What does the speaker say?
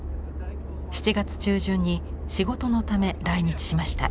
７月中旬に仕事のため来日しました。